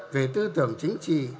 về tư tưởng chính trị